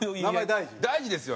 大事ですよ。